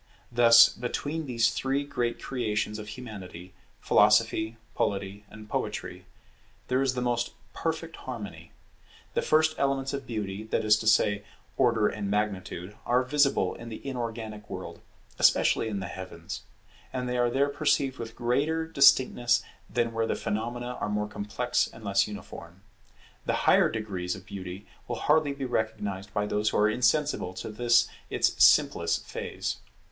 Thus between these three great creations of Humanity, Philosophy, Polity, and Poetry, there is the most perfect harmony. The first elements of Beauty, that is to say, Order and Magnitude, are visible in the inorganic world, especially in the heavens; and they are there perceived with greater distinctness than where the phenomena are more complex and less uniform. The higher degrees of Beauty will hardly be recognized by those who are insensible to this its simplest phase.